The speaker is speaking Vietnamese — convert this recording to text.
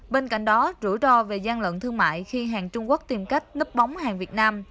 bên cạnh đó rủi ro về gian lận thương mại khi hàng trung quốc tìm cách nấp bóng hàng việt nam